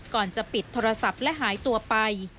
ก่อนจะปิดโทรศัพท์และหายตัวไป